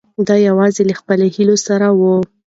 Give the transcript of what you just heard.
دی یوازې له خپلو هیلو سره و.